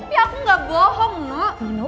tapi aku gak bohong nek